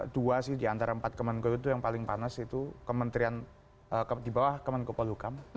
dua sih di antara empat kementerian itu yang paling panas itu kementerian di bawah kementerian kepala hukum